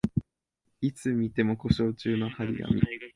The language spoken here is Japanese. いつ見ても故障中の張り紙